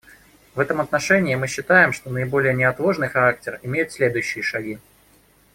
В этом отношении мы считаем, что наиболее неотложный характер имеют следующие шаги.